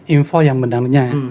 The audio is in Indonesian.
info yang benarnya